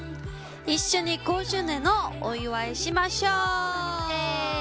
一緒に５周年のお祝いしましょう！